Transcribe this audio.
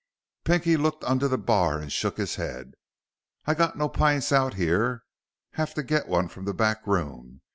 Pinky looked under the bar and shook his head. "I got no pints out here. Have to get one from the back room.